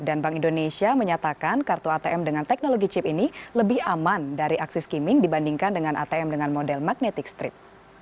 dan bank indonesia menyatakan kartu atm dengan teknologi chip ini lebih aman dari aksi skimming dibandingkan dengan atm dengan model magnetic strip